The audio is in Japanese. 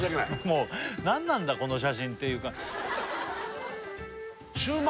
もう何なんだこの写真っていうか焼売？